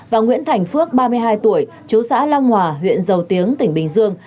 và nguyễn thành phước ba mươi hai tuổi trú xã lang hòa huyện dầu tiếng tỉnh bình dương